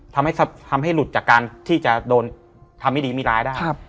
ทำให้ทำให้หลุดจากการที่จะโดนทำให้ดีไม่ร้ายได้